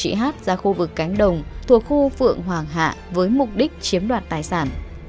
chị hát ra khu vực cánh đồng thuộc khu phượng hoàng hạ với mục đích chiếm đoạt tài sản